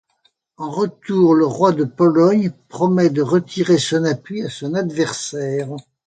En retour, le roi de Pologne promet de retirer son appui à son adversaire.